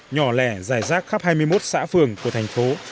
nhỏ lẻ dài rác khắp hai mươi một xã phường của thành phố